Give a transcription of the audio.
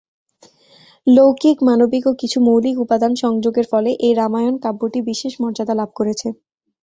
লৌকিক মানবিক ও কিছু মৌলিক উপাদান সংযোগের ফলে এই রামায়ণ কাব্যটি বিশেষ মর্যাদা লাভ করেছে।